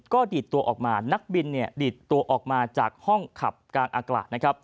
ก็ดีดตัวออกมานักบินดีดตัวออกมาจากห้องขับกลางอากาศนะครับ